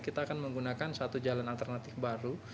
kita akan menggunakan satu jalan alternatif baru